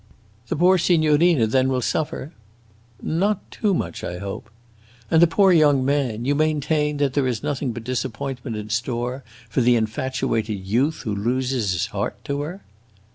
"The poor signorina, then, will suffer!" "Not too much, I hope." "And the poor young man! You maintain that there is nothing but disappointment in store for the infatuated youth who loses his heart to her!"